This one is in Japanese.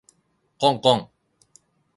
こんこん